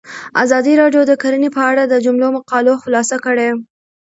ازادي راډیو د کرهنه په اړه د مجلو مقالو خلاصه کړې.